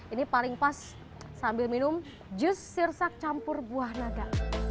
ini paling pas sambil minum jus sirsak campur buah naga